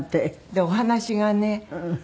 でお話がね